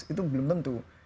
itu belum tentu